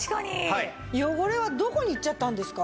汚れはどこに行っちゃったんですか？